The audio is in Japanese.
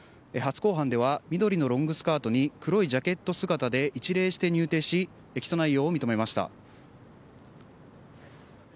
初公判では緑のロングスカートに黒いジャケット姿で一礼して入廷し、起訴内容を認めました。